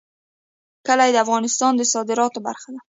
کلي د افغانستان د صادراتو برخه ده.